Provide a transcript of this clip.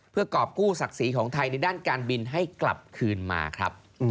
เพื่อกรอบกู้ศักดิ์ศรีของไทยในด้านการบินให้กลับคืนมาครับ